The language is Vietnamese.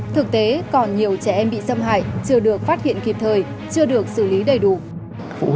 thực tế còn nhiều trẻ em bị xâm hại chưa được phát hiện kịp thời chưa được xử lý đầy đủ